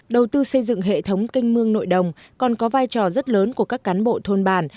đầu tư xây dựng hệ thống canh mương nội đồng còn có vai trò rất lớn của các cán bộ thôn bản